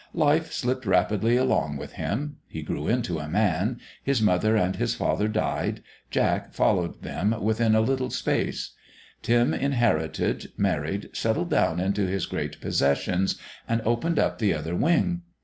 Life slipped rapidly along with him; he grew into a man; his mother and his father died; Jack followed them within a little space; Tim inherited, married, settled down into his great possessions and opened up the Other Wing.